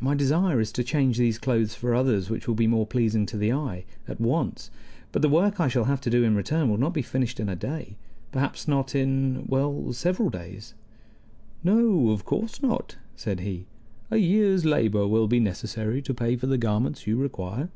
My desire is to change these clothes for others which will be more pleasing to the eye, at once; but the work I shall have to do in return will not be finished in a day. Perhaps not in well, several days." "No, of course not," said he. "A year's labor will be necessary to pay for the garments you require."